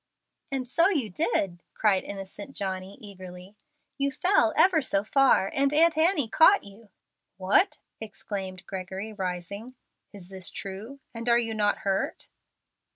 "And so you did," cried innocent Johnny, eagerly. "You fell ever so far, and Aunt Annie caught you." "What!" exclaimed Gregory, rising. "Is this true? And are you not hurt?"